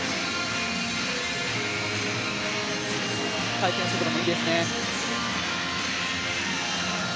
回転速度もいいですね。